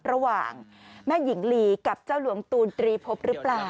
ระหว่างแม่หญิงลีกับเจ้าหลวงตูนตรีพบหรือเปล่า